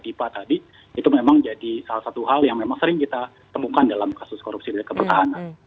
dipa tadi itu memang jadi salah satu hal yang memang sering kita temukan dalam kasus korupsi kepertahanan